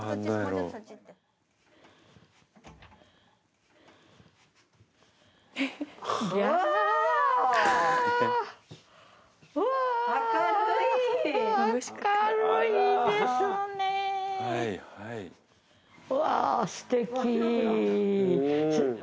うわすてき。